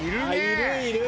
いるいる！